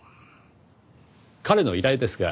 彼の依頼ですが。